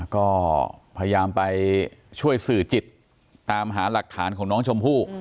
ก็พยายามไปช่วยสื่อจิตตามหาหลักฐานของน้องชมพู่